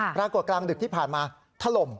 ปรากฏกลางดึกที่ผ่านมาทะลม